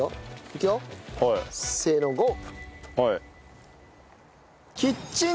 いくよせーのゴー！